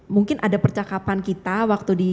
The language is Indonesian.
mungkin ada percakapan kita waktu di